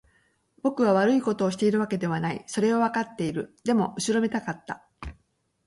僕は悪いことをしているわけではない。それはわかっている。でも、後ろめたかった。